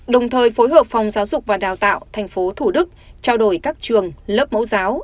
đồng thời phối hợp phòng giáo dục và đào tạo tp thủ đức trao đổi các trường lớp mẫu giáo